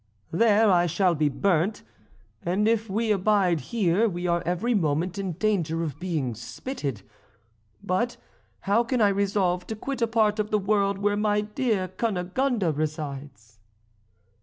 there I shall be burnt; and if we abide here we are every moment in danger of being spitted. But how can I resolve to quit a part of the world where my dear Cunegonde resides?"